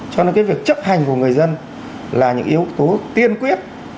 cho nên cái việc chấp hành của người dân là những yếu tố tiên quyết